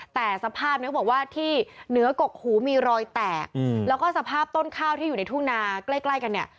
แต่สภาพนี้เขาบอกว่าที่เหนือกกหูมีรอยแตกแล้วก็สภาพต้นข้าวที่อยู่ในทุ่งนาใกล้ใกล้กันเนี่ย